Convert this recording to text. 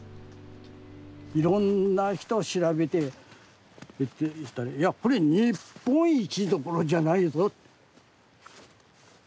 いろんな人調べていやこれ日本一どころじゃないぞ。